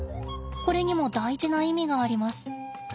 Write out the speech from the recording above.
これにも大事な意味があります。